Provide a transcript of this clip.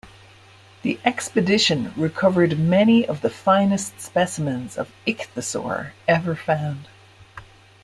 The expedition recovered many of the finest specimens of ichthyosaur ever found.